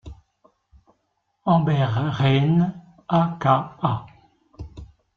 Amber Rayne a.k.a.